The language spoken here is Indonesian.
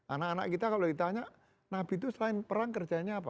anak anak kita kalau ditanya nabi itu selain perang kerjanya apa